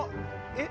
えっ。